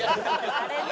あれね。